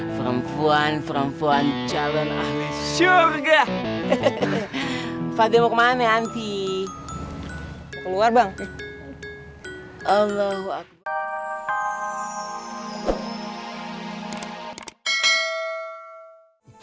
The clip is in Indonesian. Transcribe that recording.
bisa masuk ke telinga kita ke mata kita kehidung kita bahkan kepikiran dan perasaan kita